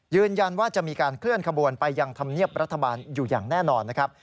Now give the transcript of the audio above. ยืนยันว่าจะมีการเคลื่อนขบวนไปยังธรรมเนียบรัฐบาลอยู่อย่างแน่นอนนะครับ